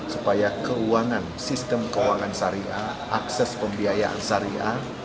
supaya keuangan sistem keuangan syariah akses pembiayaan syariah